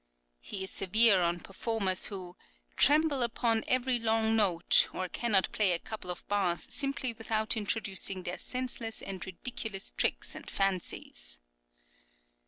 (p. 107.)[10019] He is severe on performers who "tremble upon every long note, or cannot play a couple of bars simply without introducing their senseless and ridiculous tricks and fancies" (p.